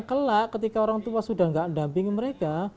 kelak ketika orang tua sudah nggak damping mereka